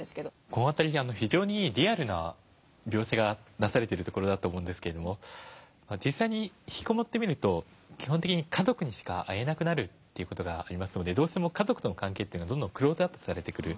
この辺り非常にリアルな描写がなされている所だと思いますが実際に引きこもってみると基本的に家族にしか会えなくなるという事がありますのでどうしても家族の関係というのがクローズアップされてくる。